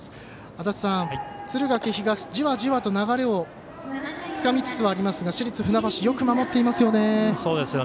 足達さん、敦賀気比がじわじわと流れをつかみつつありますが市立船橋よく守っていますよね。